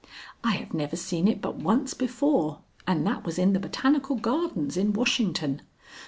I have never seen it but once before, and that was in the botanical gardens in Washington.